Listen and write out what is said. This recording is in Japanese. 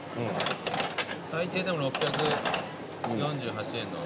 最低でも６４８円の。